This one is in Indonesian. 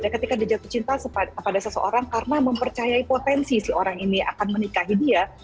ketika dia jatuh cinta kepada seseorang karena mempercayai potensi si orang ini akan menikahi dia